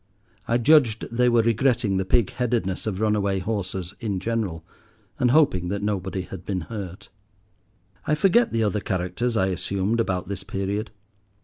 I judged they were regretting the pig headedness of runaway horses in general, and hoping that nobody had been hurt. I forget the other characters I assumed about this period.